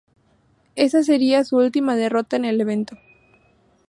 Esa sería su última derrota en el evento.